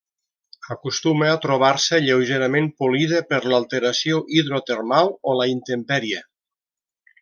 Acostuma a trobar-se lleugerament polida per l'alteració hidrotermal o la intempèrie.